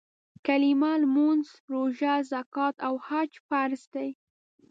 کلیمه، مونځ، روژه، زکات او حج فرض دي.